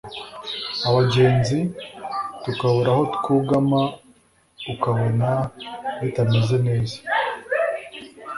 abagenzi tukabura aho twugama ukabona bitameze neza